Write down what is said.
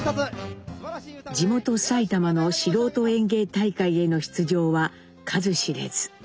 地元埼玉の素人演芸大会への出場は数知れず。